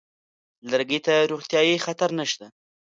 لرګي ته روغتیايي خطر نشته.